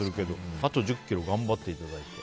あと１０ｋｇ頑張っていただいて。